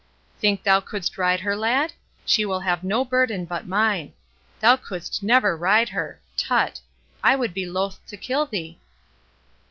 "Think thou couldst ride her, lad? She will have no burden but mine. Thou couldst never ride her! Tut! I would be loath to kill thee."